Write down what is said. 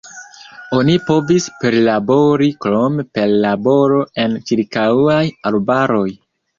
Oni povis perlabori krome per laboro en ĉirkaŭaj arbaroj.